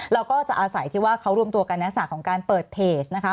เราก็จะอาศัยที่ว่าเขารวมตัวกันในลักษณะของการเปิดเพจนะคะ